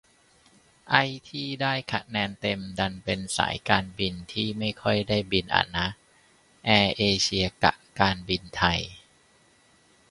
ไอ้ที่ได้คะแนนเต็ม ดันเป็นสายการบินที่ไม่ค่อยได้บินอะนะ แอร์เอเชีย กะ การบินไทย